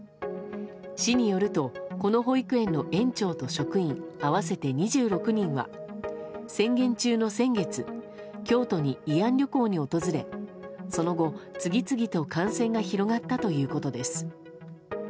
市によるとこの保育園の園長と職員合わせて２６人は宣言中の先月京都に慰安旅行に訪れその後、次々と感染が広がったということです。